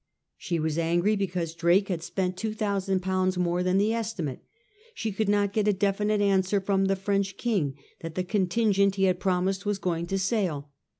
She was angry because Drake had spent £2000 more than the estimate : she could not get a definite answer from the French king that the contingent he had promised was going to sail